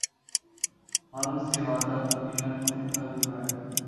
ভাল স্ত্রী হওয়াটা দুনিয়ার কঠিন কাজগুলোর একটা।